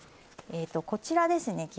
こちらですね